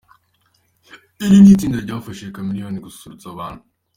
Iri ni itsinda ryafashije Chameleone gususurutsa abantu.